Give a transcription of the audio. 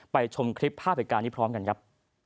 ชมคลิปภาพเหตุการณ์นี้พร้อมกันครับ